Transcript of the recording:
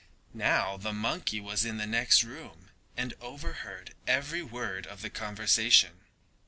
Now the monkey was in the next room and overheard every word of the conversation.